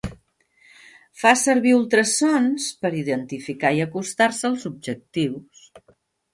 Fa servir ultrasons per identificar i acostar-se als objectius.